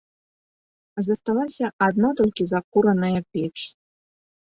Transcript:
Засталася адна толькі закураная печ.